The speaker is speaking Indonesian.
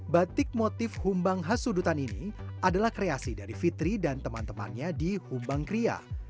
batik motif humbang hasudutan ini adalah kreasi dari fitri dan teman temannya di humbang kria